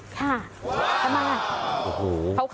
ค่ะมาก